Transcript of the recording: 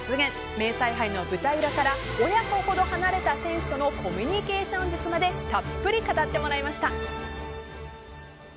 名采配の舞台裏から親子ほど離れた選手とのコミュニケーション術までたっぷり語ってもらいました。